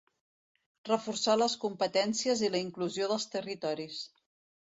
Reforçar les competències i la inclusió dels territoris.